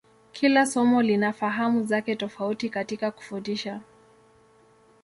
Kila somo lina fahamu zake tofauti katika kufundisha.